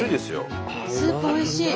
スープおいしい。